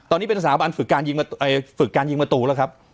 ตอนนี้เป็นสถานบันฝึกการยิงมะตูแล้วครับ